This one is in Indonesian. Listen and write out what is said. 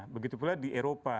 begitu pula di eropa